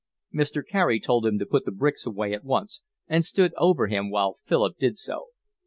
Mr. Carey told him to put the bricks away at once, and stood over him while Philip did so.